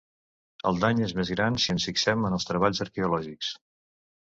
El dany és més gran si ens fixem en els treballs arqueològics.